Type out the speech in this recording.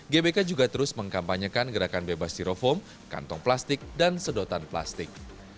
gbk juga terus mengkampanyekan gerakan bebas steroform kantong plastik dan sedotan plastik